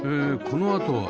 このあとは